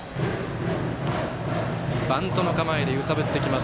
バントの構えで揺さぶってきます。